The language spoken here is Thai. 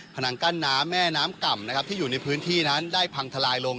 นังกั้นน้ำแม่น้ำก่ำนะครับที่อยู่ในพื้นที่นั้นได้พังทลายลง